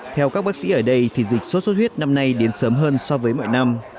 theo các bác sĩ ở đây thì dịch sốt xuất huyết năm nay đến sớm hơn so với mọi năm